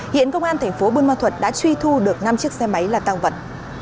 hiện công an tp buôn ma thuật đã truy thu được năm chiếc xe máy là tăng vật